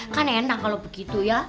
kan enak kalau begitu ya